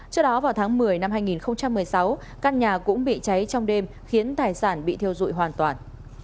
trước đó vào tháng một mươi năm hai nghìn một mươi sáu căn nhà cũng bị cháy trong đêm khiến tài sản bị thiêu dụi hoàn toàn